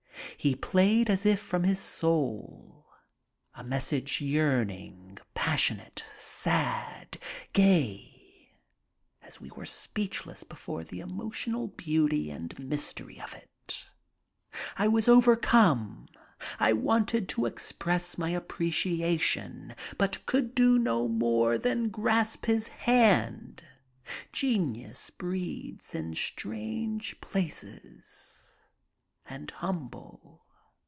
He played as if from his soul, a me ssage yearning, passionate, sad, gay, and we were speechless before the emotional beauty and mystery of it. I was overcome. I wanted to express my appreciation, but could do no more than grasp his hand. Genius breeds in strange places and humble.